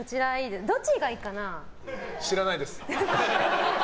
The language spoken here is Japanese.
知らないです。